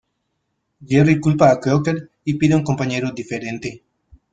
Jerry culpa a Crocker y pide un compañero diferente.